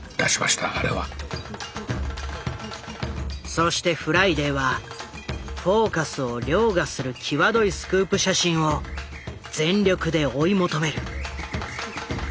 そして「フライデー」は「フォーカス」を凌駕する際どいスクープ写真を全力で追い求める。